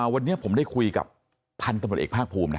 วันนี้ผมได้คุยกับพันธุ์ตำรวจเอกภาคภูมินะ